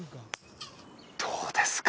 どうですか？